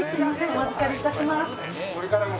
お預かりいたします。